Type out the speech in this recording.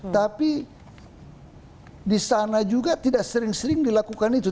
tapi disana juga tidak sering sering dilakukan itu